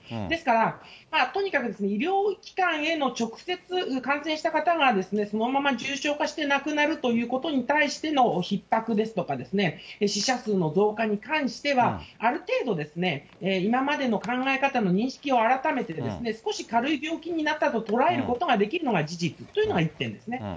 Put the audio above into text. ですから、とにかく、医療機関への、直接感染した方がそのまま重症化して亡くなるということに対してのひっ迫ですとかですね、死者数の増加に関しては、ある程度ですね、今までの考え方の認識を改めてですね、少し軽い病気になったと捉えることができるのが事実というのが１点ですね。